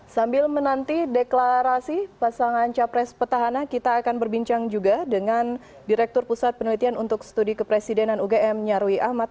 sambil menanti deklarasi pasangan capres petahana kita akan berbincang juga dengan direktur pusat penelitian untuk studi kepresidenan ugm nyarwi ahmad